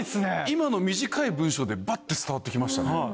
今の短い文章でバッて伝わって来ましたね。